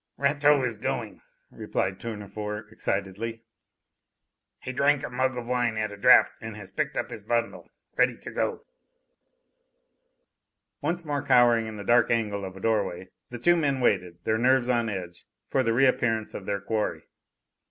"Rateau is going," replied Tournefort excitedly. "He drank a mug of wine at a draught and has picked up his bundle, ready to go." Once more cowering in the dark angle of a doorway, the two men waited, their nerves on edge, for the reappearance of their quarry.